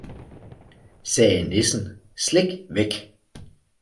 sagde nissen, slik væk!